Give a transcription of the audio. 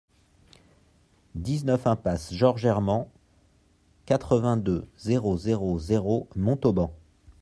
dix-neuf impasse Georges Herment, quatre-vingt-deux, zéro zéro zéro, Montauban